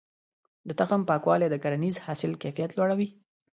د تخم پاکوالی د کرنیز حاصل کيفيت لوړوي.